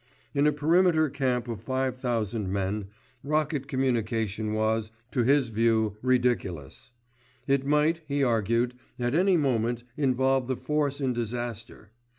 In a perimeter camp of 5,000 men, rocket communication was, to his view, ridiculous. It might, he argued, at any moment involve the force in disaster.